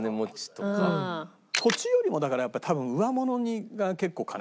土地よりもだからやっぱ多分上物が結構金かかってるよね。